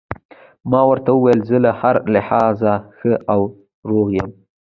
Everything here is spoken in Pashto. ما ورته وویل: زه له هر لحاظه ښه او روغ یم.